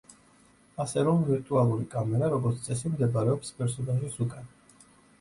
ასე რომ, ვირტუალური კამერა, როგორც წესი, მდებარეობს პერსონაჟის უკან.